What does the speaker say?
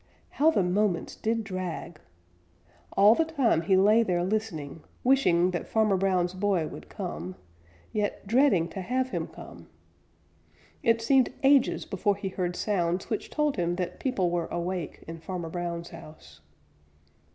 How the moments did drag! All the time he lay there listening, wishing that Farmer Brown's boy would come, yet dreading to have him come. It seemed ages before he heard sounds which told him that people were awake in Farmer Brown's house.